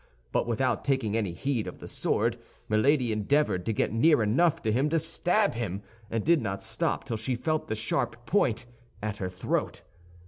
But without taking any heed of the sword, Milady endeavored to get near enough to him to stab him, and did not stop till she felt the sharp point at her throat.